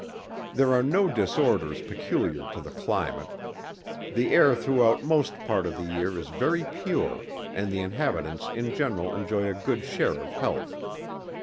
There are no disorders peculiar to the climate. The air throughout most part of the year is very pure and the inhabitants in general enjoy a good share of health.